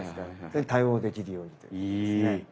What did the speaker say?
それに対応できるようにということですね。